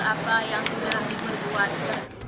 apa yang sudah diperbuat